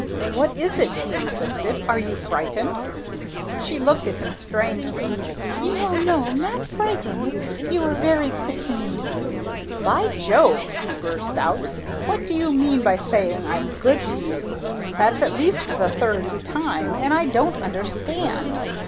"What is it?" he insisted. "Are you frightened?" She looked at him strangely. "No no not frightened, you are very good to me " "By Jove!" he burst out, "what do you mean by saying I'm good to you? That's at least the third time, and I don't understand!"